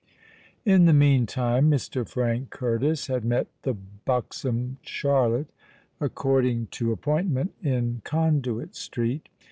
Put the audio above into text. In the meantime Mr. Frank Curtis had met the buxom Charlotte, according to appointment, in Conduit Street.